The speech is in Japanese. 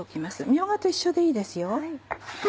みょうがと一緒でいいですよ。